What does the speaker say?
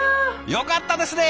よかったですね！